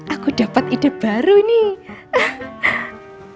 aku dapat ide baru nih